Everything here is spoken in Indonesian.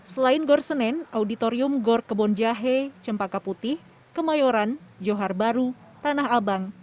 selain gor senen auditorium gor kebon jahe cempaka putih kemayoran johar baru tanah abang